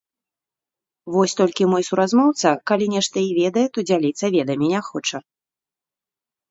Вось толькі мой суразмоўца калі нешта і ведае, то дзяліцца ведамі не хоча.